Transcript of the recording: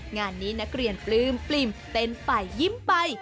งานนี้นักเรียนปลื้มปลิ่มเต้นไปยิ้มไป